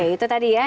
itu tadi ya